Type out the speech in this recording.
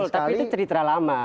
tapi itu cerita lama